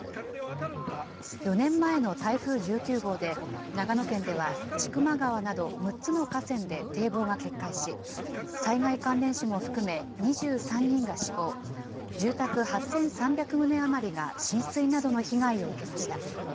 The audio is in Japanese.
４年前の台風１９号で長野県では千曲川など、６つの河川で堤防が決壊し、災害関連死も含め、２３人が死亡、住宅８３００棟余りが浸水などの被害を受けました。